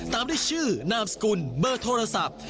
ตามด้วยชื่อนามสกุลเบอร์โทรศัพท์